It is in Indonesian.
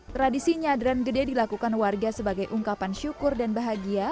tradisi nyadran gede dilakukan warga sebagai ungkapan syukur dan bahagia